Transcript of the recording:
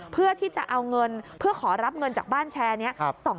เพื่อที่จะเอาเงินเพื่อขอรับเงินจากบ้านแชร์นี้